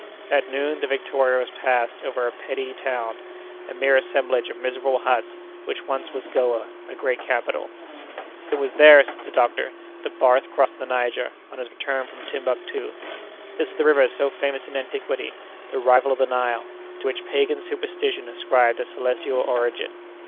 At noon the Victoria was passing over a petty town, a mere assemblage of miserable huts, which once was Goa, a great capital. "It was there," said the doctor, "that Barth crossed the Niger, on his return from Timbuctoo. This is the river so famous in antiquity, the rival of the Nile, to which pagan superstition ascribed a celestial origin.